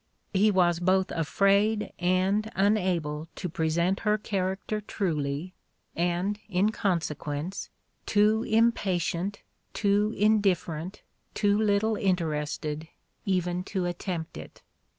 He was both afraid and unable to present her char acter truly, and, in consequence, too impatient, too indifferent, too little interested, even to attempt it.